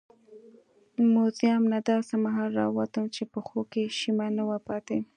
موزیم نه داسې مهال راووتم چې پښو کې شیمه نه وه پاتې.